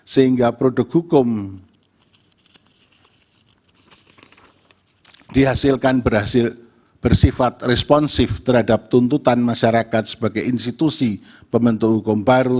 sehingga produk hukum dihasilkan berhasil bersifat responsif terhadap tuntutan masyarakat sebagai institusi pembentuk hukum baru